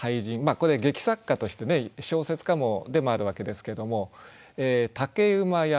これ劇作家としてね小説家でもあるわけですけれども。